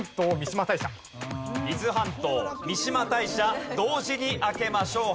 伊豆半島三嶋大社同時に開けましょう。